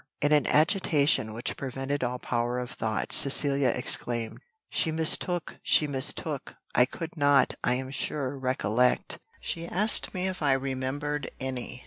In an agitation, which prevented all power of thought, Cecilia exclaimed, "She mistook she mistook; I could not, I am sure, recollect; she asked me if I remembered any."